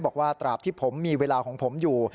บอกว่าตราบที่มีเวลาของผมอยู่